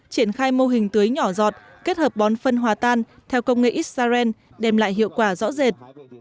triển khai mô hình tưới nhỏ giọt kết hợp bón phân hòa tan theo công nghệ israel đem lại hiệu quả rõ rệt